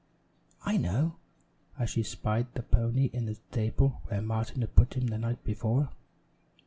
I know!" as she spied the pony in the stable where Martin had put him the night before.